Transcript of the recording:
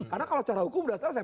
karena kalau cara hukum sudah selesai